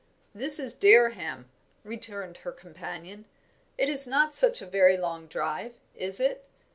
"This is Dereham," returned her companion. "It is not such a very long drive, is it?